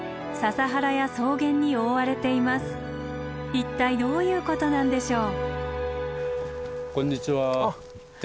一体どういうことなんでしょう？